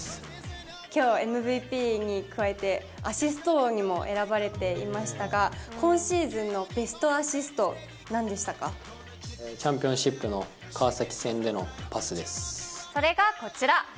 きょう、ＭＶＰに加えてアシスト王にも選ばれていましたが、今シーズンのベストアシスト、チャンピオンシップの川崎戦それがこちら。